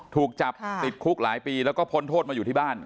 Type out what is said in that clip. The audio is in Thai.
ถูกจับติดคุกหลายปีแล้วก็พ้นโทษมาอยู่ที่บ้าน